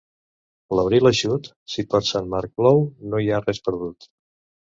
L'abril eixut, si per Sant Marc plou, no hi ha res perdut.